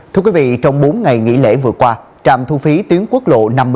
thưa quý vị trong bốn ngày nghỉ lễ vừa qua trạm thu phí tiến quốc lộ năm mươi một đã thực hiện xã trạm